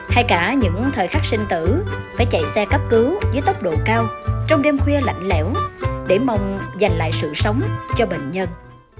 hay cả những thời khắc sinh tử phải chạy xe cấp cứu với tốc độ cao trong đêm khuya lạnh lẽo để mong giành lại sự sống cho bệnh nhân